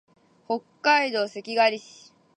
北海道石狩市